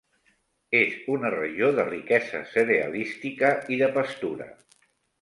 És una regió de riquesa cerealística i de pastura.